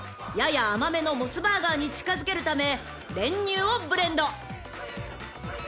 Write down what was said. ［やや甘めのモスバーガーに近づけるため練乳をブレンド］